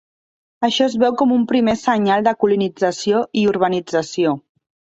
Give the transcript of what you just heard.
Això es veu com un primer senyal de colonització i urbanització.